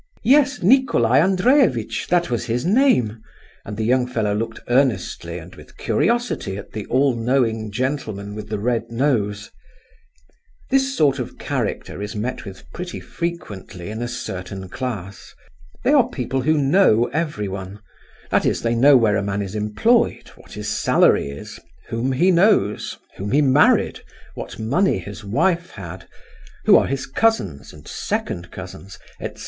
"Yes, Nicolai Andreevitch—that was his name," and the young fellow looked earnestly and with curiosity at the all knowing gentleman with the red nose. This sort of character is met with pretty frequently in a certain class. They are people who know everyone—that is, they know where a man is employed, what his salary is, whom he knows, whom he married, what money his wife had, who are his cousins, and second cousins, etc.